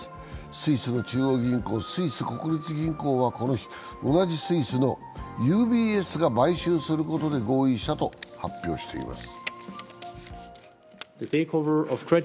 スイスの中央銀行＝スイス国立銀行はこの日、同じスイスのＵＢＳが買収することで合意したと発表しています。